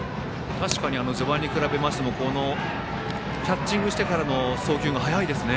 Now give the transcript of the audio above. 序盤に比べましてもキャッチングしてからの送球が早いですね。